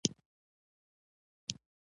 معمولاً وحیدالحجروي موجودات بلل کېږي.